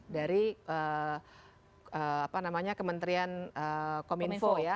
dari apa namanya kementerian kominfo ya